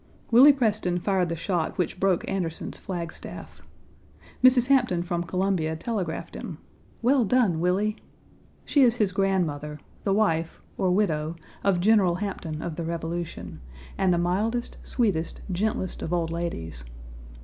Willie Preston fired the shot which broke Anderson's flag staff. Mrs. Hampton from Columbia telegraphed him, "Well done, Willie!" She is his grandmother, the wife, or widow, of General Hampton, of the Revolution, and the mildest, sweetest, gentlest of old ladies.